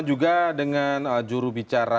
juga dengan jurubicara